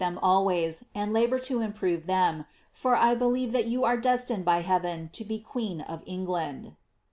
Ihem always, and labour to improve them, for I bebere that yoam Jettioed by HeaTen to be queen of England.